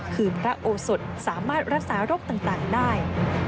คือพระโอสดสามารถรักษาโรคต่างได้